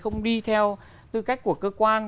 không đi theo tư cách của cơ quan